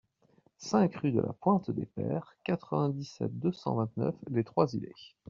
cinq rue de la Pointe des Pères, quatre-vingt-dix-sept, deux cent vingt-neuf, Les Trois-Îlets